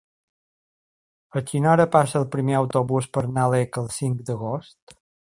A quina hora passa el primer autobús per Nalec el cinc d'agost?